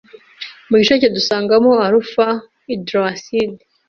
Mu gisheke dusangamo alpha hydroxyl acids